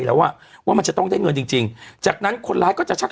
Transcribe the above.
แล้วอ่ะว่ามันจะต้องได้เงินจริงจริงจากนั้นคนร้ายก็จะชัก